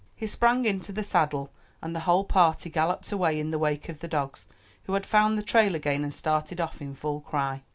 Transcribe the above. He sprang into the saddle, and the whole party galloped away in the wake of the dogs, who had found the trail again and started off in full cry.